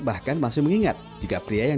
bahkan masih mengingat jika pria yang